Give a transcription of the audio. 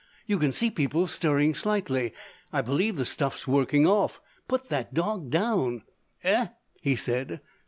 You can see people stirring slightly. I believe the stuff's working off! Put that dog down." "Eh?" he said.